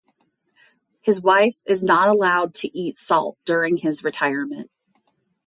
His wife is not allowed to eat salt during his retirement.